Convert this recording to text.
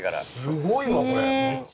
すごいわこれ。